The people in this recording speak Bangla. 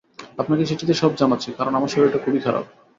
আপনাকে চিঠিতে সব জানাচ্ছি, কারণ আমার শরীরটা খুবই খারাপ।